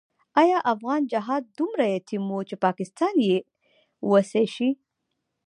آیا افغان جهاد دومره یتیم وو چې پاکستان یې وصي شي؟